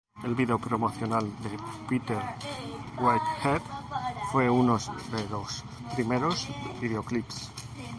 El vídeo promocional de Peter Whitehead fue uno de los primeros videoclips.